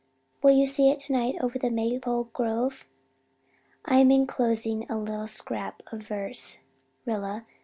Will you see it tonight over the maple grove? "I'm enclosing a little scrap of verse, Rilla.